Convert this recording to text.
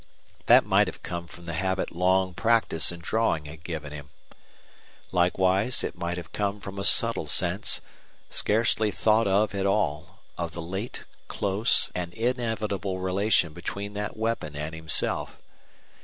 That might have come from the habit long practice in drawing had given him. Likewise, it might have come from a subtle sense, scarcely thought of at all, of the late, close, and inevitable relation between that weapon and himself.